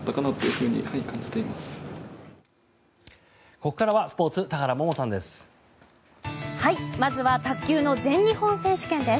ここからはスポーツ田原萌々さんです。